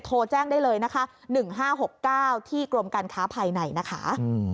โทรแจ้งได้เลยนะคะ๑๕๖๙ที่กรมการค้าภายในนะคะ